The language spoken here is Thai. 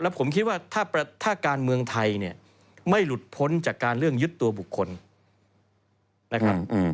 ผมคิดว่าถ้าการเมืองไทยเนี่ยไม่หลุดพ้นจากการเรื่องยึดตัวบุคคลนะครับ